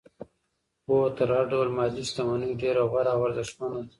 پوهه تر هر ډول مادي شتمنۍ ډېره غوره او ارزښتمنه ده.